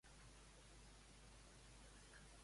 Qui era la família d'Areté?